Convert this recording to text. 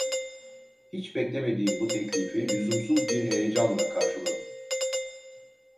Hiç beklemediğim bu teklifi lüzumsuz bir heyecanla karşıladım.